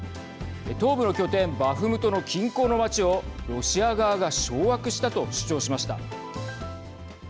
東部の拠点バフムトの近郊の町をロシア側が掌握したと主張しました。